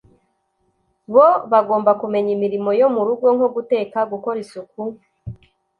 bo bagomba kumenya imirimo yo mu rugo nko guteka, gukora isuku,